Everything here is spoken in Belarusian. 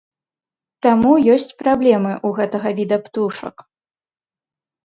Таму ёсць праблемы ў гэтага віда птушак.